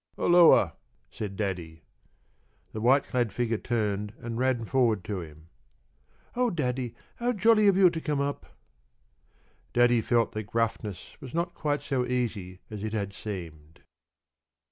p> "Halloa!" said Daddy. The white clad figure turned and ran forward to him. "Oh, Daddy, how jolly of you to come up!" Daddy felt that gruffness was not quite so easy as it had seemed.